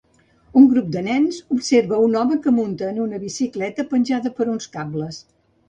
Un grup de nens observa un home que munta en una bicicleta penjada per uns cables.